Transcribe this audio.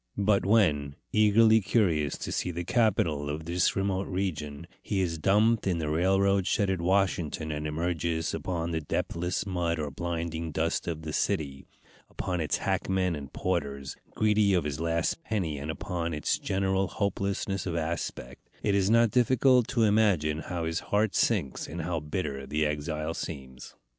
But when, eagerly curious to see the capital of this remote region, he is dumped in the railroad shed at Washington, and emerges upon the depthless mud or blinding dust of the city, upon its hackmen and porters, greedy of his last penny, and upon its general hopelessness of aspect, it is not difficult to imagine how his heart sinks and how bitter the exile seems.